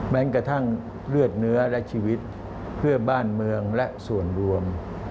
กระทั่งเลือดเนื้อและชีวิตเพื่อบ้านเมืองและส่วนรวม